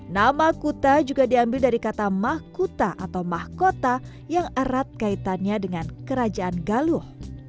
nama kuta juga diambil dari kata mah kuta atau mah kota yang erat kaitannya dengan kerajaan galuh